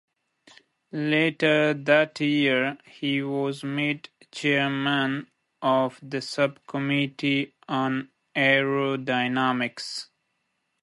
Later that year, he was made chairman of the Subcommittee on Aerodynamics.